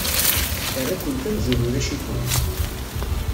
Terra-kent amzun ulac-ikent.